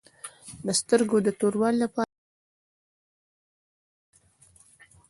د سترګو د توروالي لپاره د څه شي ټوټې وکاروم؟